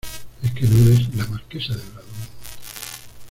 es que no eres la Marquesa de Bradomín.